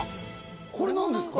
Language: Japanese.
これ、なんですか？